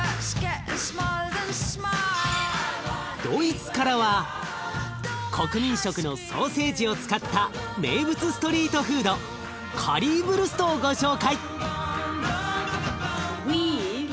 ドイツからは国民食のソーセージを使った名物ストリートフードカリーヴルストをご紹介！